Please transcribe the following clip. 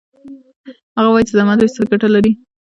هغه وایي چې زحمت ویستل ګټه لري